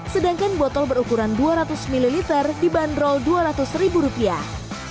sedangkan botol berukuran dua ratus ml dibanderol dua ratus ribu rupiah